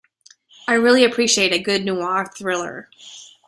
I really appreciate a good noir thriller.